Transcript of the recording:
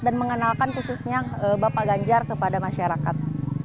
dan mengenalkan khususnya bapak ganjar kepada masyarakat